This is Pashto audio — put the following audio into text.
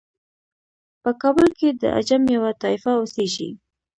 په کابل کې د عجم یوه طایفه اوسیږي.